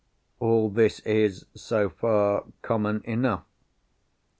All this is, so far, common enough.